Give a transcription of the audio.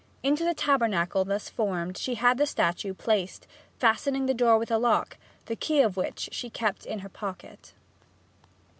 Into the tabernacle thus formed she had the statue placed, fastening the door with a lock, the key of which she kept in her pocket.